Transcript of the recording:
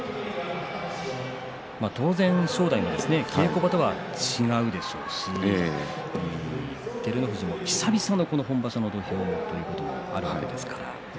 当然、正代も稽古場とは違うでしょうし照ノ富士も久々の本場所の土俵ということもあるわけですから。